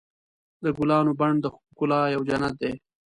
د ګلانو بڼ د ښکلا یو جنت دی.